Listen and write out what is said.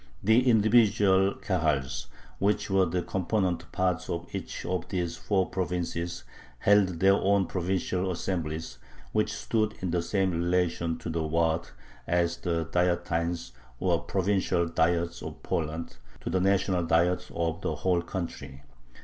The individual Kahals, which were the component parts of each of these four provinces, held their own provincial assemblies, which stood in the same relation to the Waad as the "Dietines," or provincial Diets, of Poland, to the national Diet of the whole country.